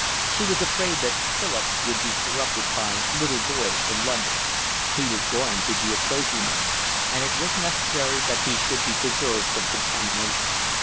She was afraid that Philip would be corrupted by little boys from London. He was going to be a clergyman, and it was necessary that he should be preserved from contamination.